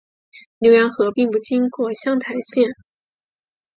浏阳河并不经过湘潭县。